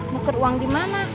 buket uang di mana